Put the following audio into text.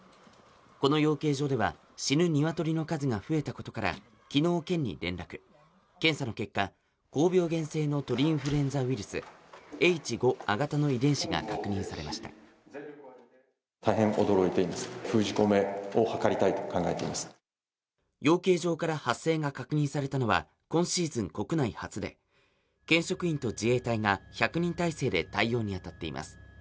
この養鶏場では死ぬニワトリの数が増えたことからきのう県に連絡検査の結果高病原性の鳥インフルエンザウイルスＨ５亜型の遺伝子が確認されました養鶏場から発生が確認されたのは今シーズン国内初で県職員と自衛隊が１００人態勢で対応に当たっています